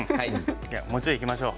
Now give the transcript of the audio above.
もうちょい、いきましょう。